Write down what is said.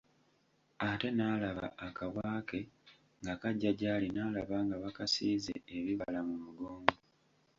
Ate n'alaba akabwa ke nga kajja gy'ali n'alaba nga bakasiize ebibala mu mugongo.